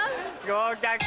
合格。